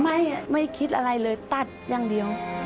ไม่ไม่คิดอะไรเลยตัดอย่างเดียว